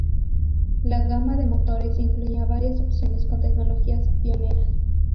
La gama de motores incluía varias opciones con tecnologías pioneras.